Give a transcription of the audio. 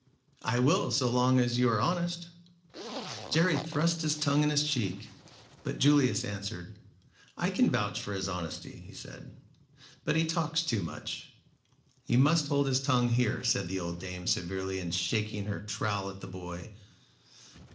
"I will so long as you are honest." Jerry thrust his tongue in his cheek, but Julius answered, "I can vouch for his honesty," he said. "But he talks too much." "He must hold his tongue here," said the old dame, severely, and shaking her trowel at the boy.